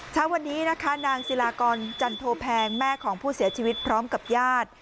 เช้าวันนี้นะคะนางศิลากรจันโทแพงแม่ของผู้เสียชีวิตพร้อมกับญาติ